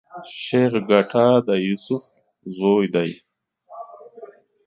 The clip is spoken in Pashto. شېخ ګټه د يوسف زوی دﺉ.